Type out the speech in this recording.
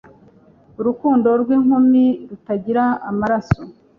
urukundo rw'inkumi rutagira amaraso